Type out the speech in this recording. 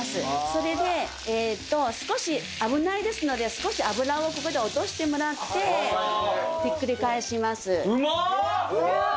それで少し危ないですので少し油をここで落としてもらってひっくり返しますうまっ！